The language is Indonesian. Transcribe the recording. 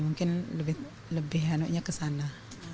mungkin lebih hanyutnya ke sana